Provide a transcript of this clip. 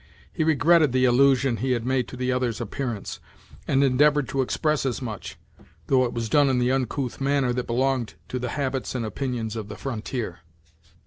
He regretted the allusion he had made to the other's appearance, and endeavored to express as much, though it was done in the uncouth manner that belonged to the habits and opinions of the frontier.